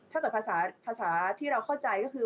ถ้าเกิดภาษาที่เราเข้าใจก็คือ